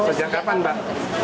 sejak kapan mbak